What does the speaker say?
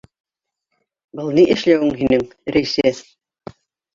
- Был ни эшләүең һинең, Рәйсә?